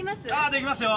できますよ。